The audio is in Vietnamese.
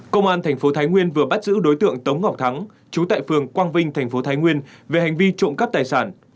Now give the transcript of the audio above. công an tp thái nguyên vừa bắt giữ đối tượng tống ngọc thắng chú tại phường quang vinh tp thái nguyên về hành vi trộm cắp tài sản